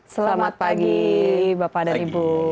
selamat pagi bapak dan ibu